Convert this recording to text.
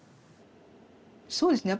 そうですね